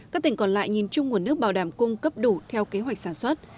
các tỉnh còn lại nhìn chung nguồn nước bảo đảm cung cấp đủ theo kế hoạch sản xuất